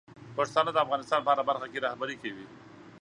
پښتانه د افغانستان په هره برخه کې رهبري کوي.